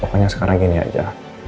pokoknya sekarang gini aja